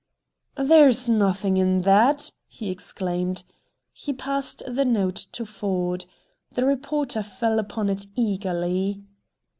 "There's nothing in THAT," he exclaimed. He passed the note to Ford. The reporter fell upon it eagerly.